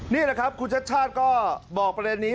นี่แหละครับคุณชัดชาติก็บอกประเด็นนี้